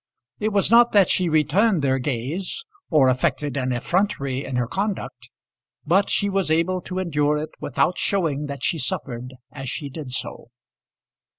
It was not that she returned their gaze, or affected an effrontery in her conduct; but she was able to endure it without showing that she suffered as she did so.